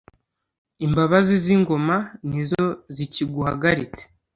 Imbabazi z'ingoma ni zo zikiguhagaritse